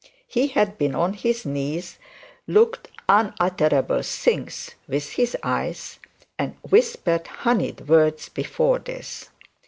He had been on his knees, looked unutterable things with his eyes, and whispered honeyed words before this.